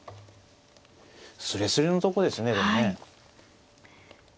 すれすれのとこですねでもね。